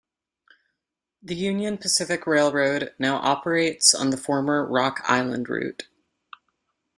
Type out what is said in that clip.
The Union Pacific Railroad now operates on the former Rock Island route.